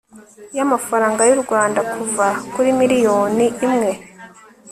y amafaranga y u rwanda kuva kuri miliyoni imwe